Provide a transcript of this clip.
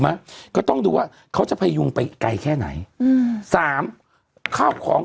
ไหมก็ต้องดูว่าเขาจะพยุงไปไกลแค่ไหนอืมสามข้าวของ